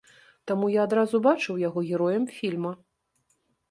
Таму я адразу бачыў яго героем фільма.